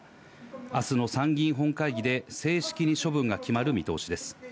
明日の参議院本会議で正式に処分が決まる見通しです。